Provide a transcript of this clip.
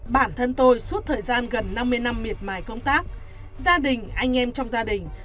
bản thân tôi suốt thời gian gần năm mươi năm miệt mài công tác gia đình anh em trong gia đình